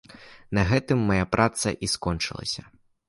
На гэтым мая праца і скончылася.